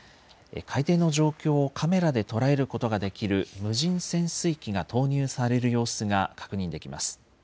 海底の状況をカメラで捉えることができる無人潜水機が投入される様子が確認できます。